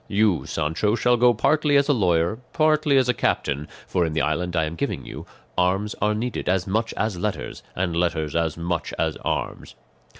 You, Sancho, shall go partly as a lawyer, partly as a captain, for, in the island I am giving you, arms are needed as much as letters, and letters as much as arms."